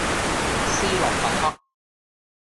斯洛伐克